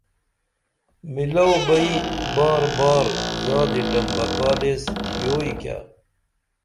مِلو بئی بار بار زادی ڈھمبکال ایس تھیوئی کیہ